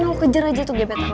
sana gue kejer aja tuh gebetan lo